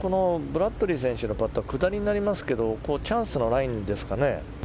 ブラッドリー選手のパットは下りになりますけどチャンスはないんですかね。